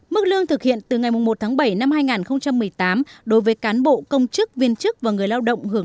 mức lương thực hiện từ ngày một tháng bảy năm hai nghìn một mươi tám đối với cán bộ công chức viên chức và người lao động hưởng